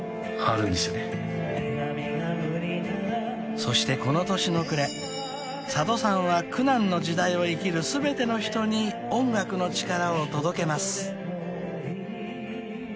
［そしてこの年の暮れ佐渡さんは苦難の時代を生きる全ての人に音楽の力を届けます］